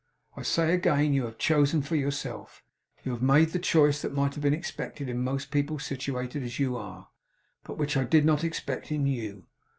I say again, you have chosen for yourself. You have made the choice that might have been expected in most people situated as you are, but which I did not expect in you.